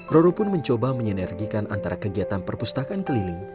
roro pun mencoba menyenergikan antara kegiatan perpustakaan keliling